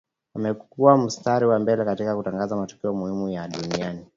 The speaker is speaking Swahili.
Wamekua mstari wa mbele katika kutangaza matukio muhimu ya dunia